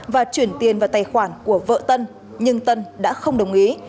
và chuyển tiền vào tài khoản của vợ tân nhưng tân đã không đồng ý